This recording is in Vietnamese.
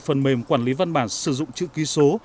phần mềm quản lý văn bản sử dụng chữ ký số